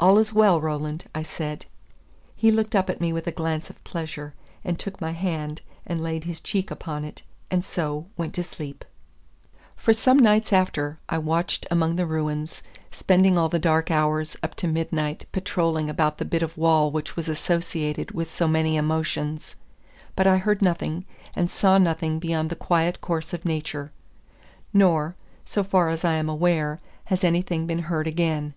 "All is well, Roland," I said. He looked up at me with a glance of pleasure, and took my hand and laid his cheek upon it, and so went to sleep. For some nights after, I watched among the ruins, spending all the dark hours up to midnight patrolling about the bit of wall which was associated with so many emotions; but I heard nothing, and saw nothing beyond the quiet course of nature; nor, so far as I am aware, has anything been heard again.